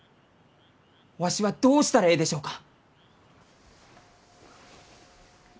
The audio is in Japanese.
わしはどうしたらえいでしょうか？